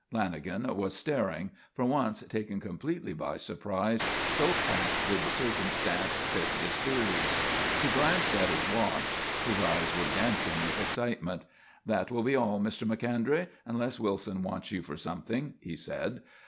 Lanagan was staring, for once taken completely by surprise, so pat did the circumstance fit his theories. He glanced at his watch. His eyes were dancing with excitement. "That will be all, Mr. Macondray, unless Wilson wants you for anything," he said.